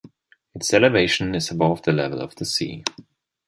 Its elevation is above the level of the sea.